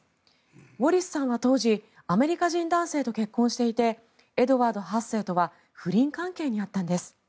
ウォリスさんは当時アメリカ人男性と結婚していてエドワード８世とは不倫関係にあったんです。